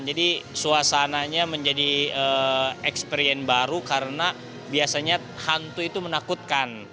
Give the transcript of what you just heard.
jadi suasananya menjadi experience baru karena biasanya hantu itu menakutkan